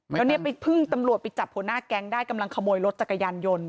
แล้วเนี่ยไปพึ่งตำรวจไปจับหัวหน้าแก๊งได้กำลังขโมยรถจักรยานยนต์